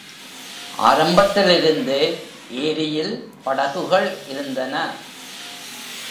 ஆரம்பத்திலிருந்தே ஏரியில் படகுகள் இருந்தன.